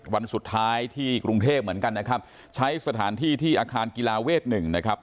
วันสุดท้ายที่กรุงเทพเหมือนกันนะครับใช้สถานที่ที่อาคารกีฬาเวทหนึ่งนะครับ